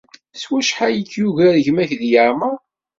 S wacḥal i k-yugar gma-k di leεmer?